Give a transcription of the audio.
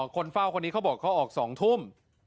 คนเฝ้าคนนี้เขาบอกเขาออก๒ทุ่ม